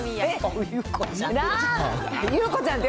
ゆう子ちゃんって。